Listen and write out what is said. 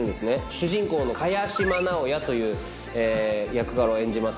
主人公の萱島直哉という役柄を演じます